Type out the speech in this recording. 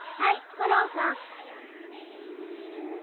吾郎さん。